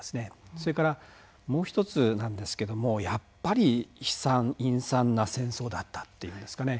それから、もう１つなんですがやっぱり悲惨、陰惨な戦争だったというんですかね。